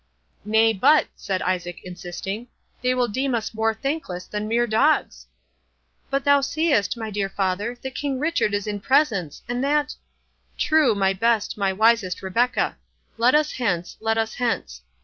"Nay, but," said Isaac, insisting, "they will deem us more thankless than mere dogs!" "But thou seest, my dear father, that King Richard is in presence, and that— " "True, my best—my wisest Rebecca!—Let us hence—let us hence!